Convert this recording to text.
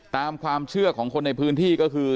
ตามความเชื่อของคนในพื้นที่ก็คือ